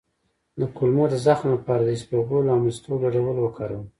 د کولمو د زخم لپاره د اسپغول او مستو ګډول وکاروئ